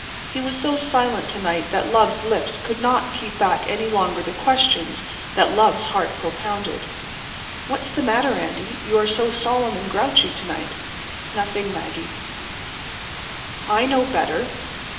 He was so silent to night that love's lips could not keep back any longer the questions that love's heart propounded. "What's the matter, Andy, you are so solemn and grouchy to night?" "Nothing, Maggie." "I know better.